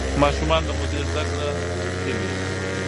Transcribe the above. ماشومان له مودې زده کړه کوي.